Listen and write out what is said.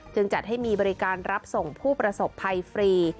จัดให้มีบริการรับส่งผู้ประสบภัยฟรี